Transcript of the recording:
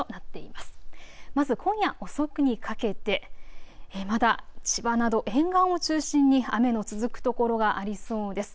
まず今夜遅くにかけてまだ千葉など沿岸を中心に雨の続く所がありそうです。